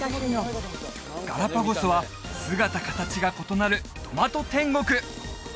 ガラパゴスは姿形が異なるトマト天国